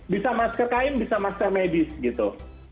bisa masker kain bisa masker medis gitu